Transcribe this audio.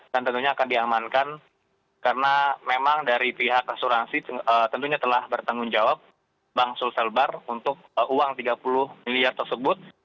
dan tentunya akan diamankan karena memang dari pihak asuransi tentunya telah bertanggung jawab bank sulselbar untuk uang tiga puluh m tersebut